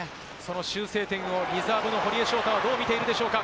修正点をリザーブの堀江翔太はどう見ているでしょうか？